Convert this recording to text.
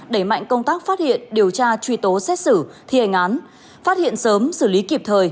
đẩy mạnh công tác phát hiện điều tra truy tố xét xử thi hành án phát hiện sớm xử lý kịp thời